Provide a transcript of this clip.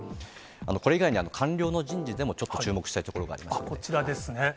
これ以外に官僚の人事でも、ちょっと注目したいところがありこちらですね。